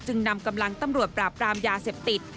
นำกำลังตำรวจปราบปรามยาเสพติด